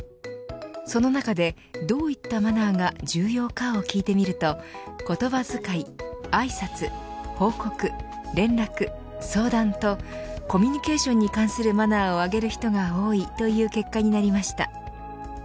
その中で、どういったマナーが重要かを聞いてみると言葉遣い、あいさつ報告・連絡・相談とコミュニケーションに関するマナーを挙げる人が多いという結果になりました。